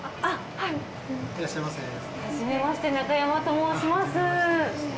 はじめまして中山と申します。